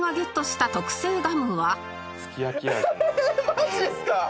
マジですか？